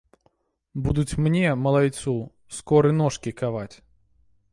Будуць мне, малайцу, скоры ножкі каваць.